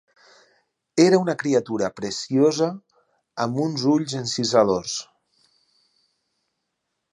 Era una criatura preciosa, amb uns ulls encisadors.